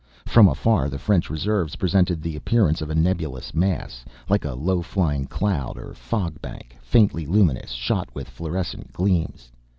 From afar the French reserves presented the appearance of a nebulous mass, like a low lying cloud or fog bank, faintly luminous, shot with fluorescent gleams.